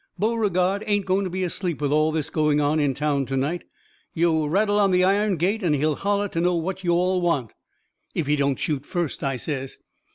Beauregard ain't going to be asleep with all this going on in town to night. Yo' rattle on the iron gate and he'll holler to know what yo' all want." "If he don't shoot first," I says.